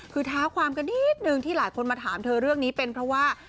คือท้าความกันนิดนึงที่หลายคนมาถามเธอเรื่องนี้เป็นเพราะว่า